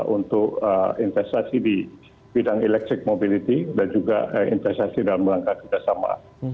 untuk investasi di bidang electric mobility dan juga investasi dalam langkah kerjasama